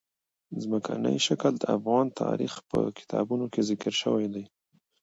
ځمکنی شکل د افغان تاریخ په کتابونو کې ذکر شوي دي.